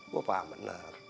gue paham bener